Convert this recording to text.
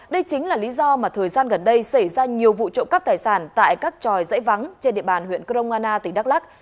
đây chính là lý do mà thời gian gần đây xảy ra nhiều vụ trộm cắp tài sản tại các tròi dãy vắng trên địa bàn huyện crong anna tỉnh đắk lắc